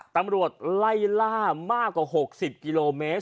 ตำรวจไล่ล่ามากกว่า๖๐กิโลเมตร